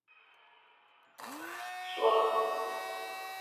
周文王子曹叔振铎后裔。